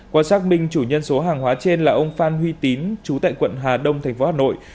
qua xác minh chủ nhân số hàng hóa trên là ông phan huy tín chú tại quận hà đông thành phố hà nội